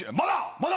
まだ！